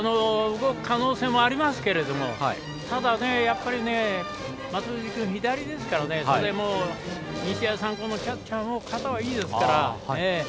動く可能性もありますけどただ、やっぱり松藤君左ですから日大三高のキャッチャーも肩はいいですから。